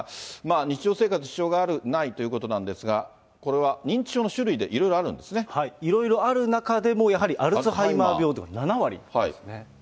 日常生活に支障がある、ないということなんですが、これは認知症いろいろある中でも、やはりアルツハイマー病では７割。